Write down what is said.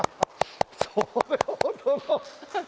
それほどの。